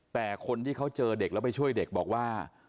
แต่คนที่เขาเจอเด็กแล้วไปช่วยเด็กบอกว่า